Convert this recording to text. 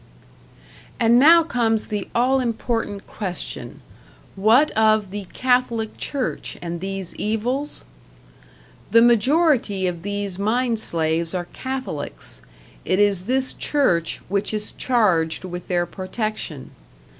And now comes the all important question. What of the Catholic Church and these evils? The majority of these mine slaves are Catholics, it is this Church which is charged with their protection.